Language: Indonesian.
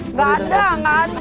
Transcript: enggak ada enggak ada